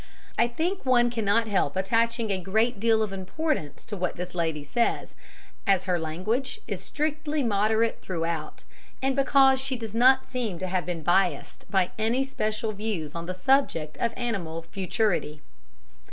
I think one cannot help attaching a great deal of importance to what this lady says, as her language is strictly moderate throughout, and because she does not seem to have been biassed by any special views on the subject of animal futurity.